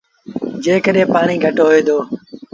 جيڪڏهين پآڻيٚ گھٽ هوئي دو۔